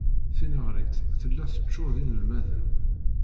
Tineɣrit tella teččur d inelmaden.